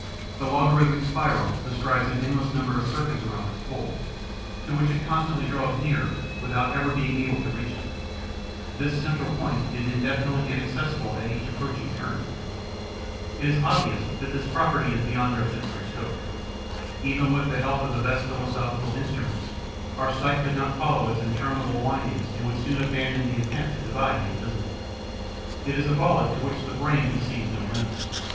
The logarithmic spiral describes an endless number of circuits around its pole, to which it constantly draws nearer without ever being able to reach it. This central point is indefinitely inaccessible at each approaching turn. It is obvious that this property is beyond our sensory scope. Even with the help of the best philosophical instruments, our sight could not follow its interminable windings and would soon abandon the attempt to divide the invisible. It is a volute to which the brain conceives no limits.